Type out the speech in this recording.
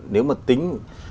nếu mà tính